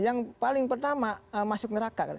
yang paling pertama masuk neraka kan